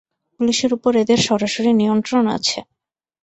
পুলিশের উপর এদের সরাসরি নিয়ন্ত্রণ আছে।